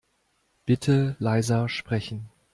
Bitte leiser sprechen.